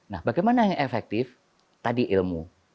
nah bagaimana yang efektif tadi ilmu